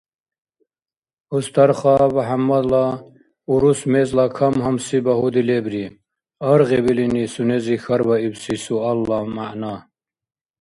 Устарха БяхӀяммадла урус мезла кам-гьамси багьуди лебри: аргъиб илини сунези хьарбаибси суалла мягӀна.